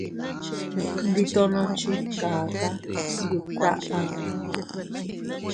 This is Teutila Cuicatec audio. Ndi tono chi kaka ndut taʼa.